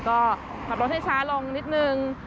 ก็ขับรถให้ช้าลงนิดนึง